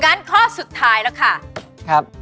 งั้นข้อสุดท้ายแล้วค่ะ